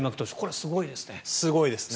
すごいですね。